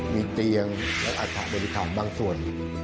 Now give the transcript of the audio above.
มีเตียงและอาสาสบริษัทบางส่วน